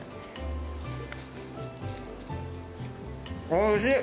おいしい。